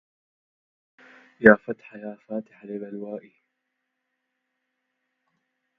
يا فتح يا فاتحا لبلوائي